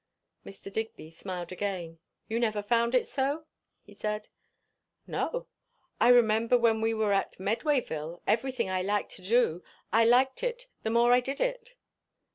Mr. Digby smiled again. "You never found it so?" he said. "No. I remember when we were at Medwayville, everything I liked to do, I liked it more the more I did it."